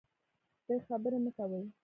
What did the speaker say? د خبرې مه کوئ.